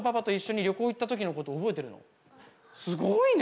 すごいね！